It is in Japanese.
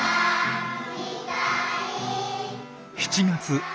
７月。